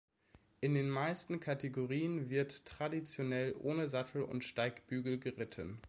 In den meisten Kategorien wird traditionell ohne Sattel und Steigbügel geritten.